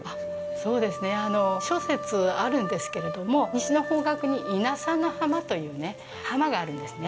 そうですね、諸説あるんですけれども西の方角に稲佐の浜という浜があるんですね